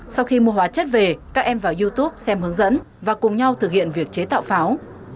sau khi mua hóa chất về các em vào youtube xem hướng dẫn và cùng nhau thực hiện việc chế tạo pháo